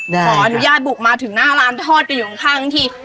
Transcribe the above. ขออนุญาตบุกมาถึงหน้าร้านทอดไปอยู่ข้างที